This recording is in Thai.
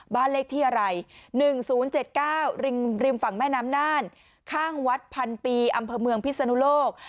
บ้านเลขที่อะไร๑๐๗๙ริมฝั่งแม่น้ำน่านข้างวัดพันปีอำเภอเมืองพิศนุโลก